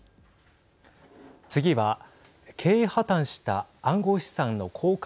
次は経営破綻した暗号資産の交換